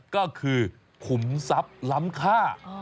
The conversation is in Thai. ก็คือขุมทรัพย์ล้ำค่า